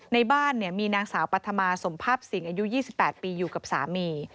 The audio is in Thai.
ในบ้านมีนางสาวปัธมาสมภาพสิงอายุ๒๘ปีอยู่กับสามี